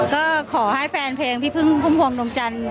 ก็ขอให้แฟนเพลงพี่พึ่งพุ่มพวงดวงจันทร์